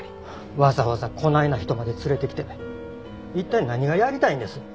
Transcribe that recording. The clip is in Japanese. わざわざこないな人まで連れてきて一体何がやりたいんです？